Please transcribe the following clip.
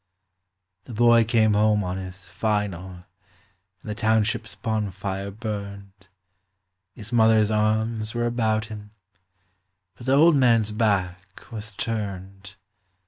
The boy came home on his "final", and the township's bonfire burned. His mother's arms were about him; but the old man's back was turned.